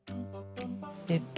えっと